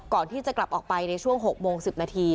ก่อนที่จะกลับออกไปในช่วง๖โมง๑๐นาที